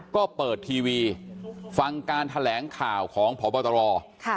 ก็เปิดทีวีฟังการแถลงข่าวของพบตร